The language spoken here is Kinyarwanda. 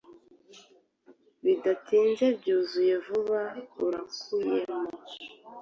Bidatinze byuzuye vuba Urakuyemo